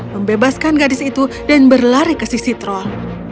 membebaskan gadis itu dan berlari ke sisi troll